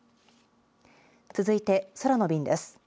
続いて空の便です。